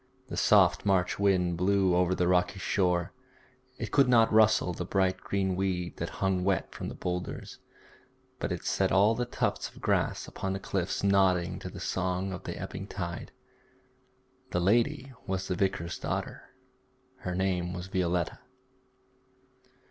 The soft March wind blew over the rocky shore; it could not rustle the bright green weed that hung wet from the boulders, but it set all the tufts of grass upon the cliffs nodding to the song of the ebbing tide. The lady was the vicar's daughter; her name was Violetta.